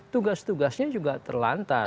tugas tugasnya juga terlantar